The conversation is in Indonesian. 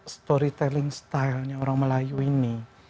storytelling style nya orang melayu ini